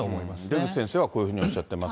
出口先生はこういうふうにおっしゃってます。